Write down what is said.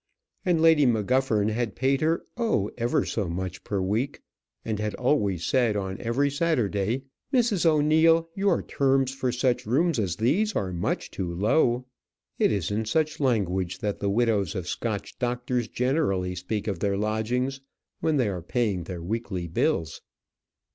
And Lady McGuffern had paid her, oh! ever so much per week; and had always said on every Saturday "Mrs. O'Neil, your terms for such rooms as these are much too low." It is in such language that the widows of Scotch doctors generally speak of their lodgings when they are paying their weekly bills.